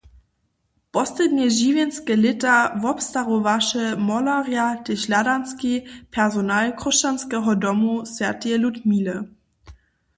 Poslednje žiwjenske lěta wobstarowaše molerja tež hladanski personal Chróšćanskeho Domu swj. Ludmile.